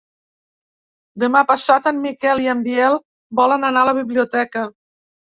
Demà passat en Miquel i en Biel volen anar a la biblioteca.